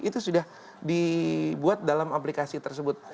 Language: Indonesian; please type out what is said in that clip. itu sudah dibuat dalam aplikasi tersebut